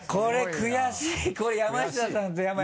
悔しい。